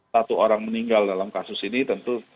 satu orang meninggal dalam kasus ini tentu